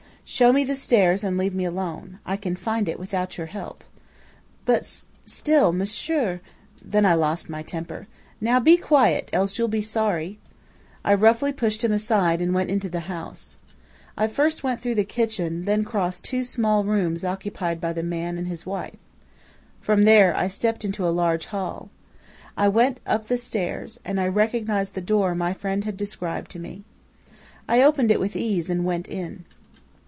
"'Show me the stairs and leave me alone. I can find it without your help.' "'But still monsieur ' "Then I lost my temper. "'Now be quiet! Else you'll be sorry!' "I roughly pushed him aside and went into the house. "I first went through the kitchen, then crossed two small rooms occupied by the man and his wife. From there I stepped into a large hall. I went up the stairs, and I recognized the door my friend had described to me. "I opened it with ease and went in.